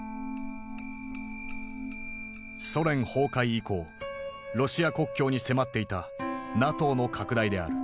ソ連崩壊以降ロシア国境に迫っていたＮＡＴＯの拡大である。